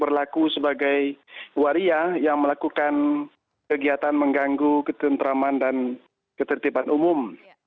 berlaku sebagai waria yang melakukan kegiatan mengganggu ketentraman dan ketertiban umum